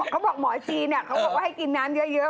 หมอจีนเขาบอกว่าให้กินน้ำเยอะ